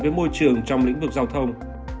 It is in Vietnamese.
với môi trường trong lĩnh vực giao thông